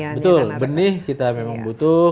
betul benih kita memang butuh